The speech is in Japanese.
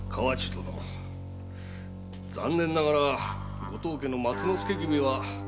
残念ながらご当家の松之助君はダメであった。